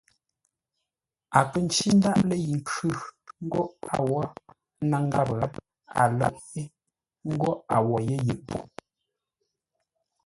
A kə̂ ncí ndáʼ lə́ yi nkhʉ̂ ńgó a wó ńnáŋ gháp, a lə̂ʼ yé ńgó a wo yé yʉʼ po.